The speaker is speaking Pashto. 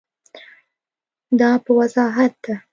دا په وضاحت ده.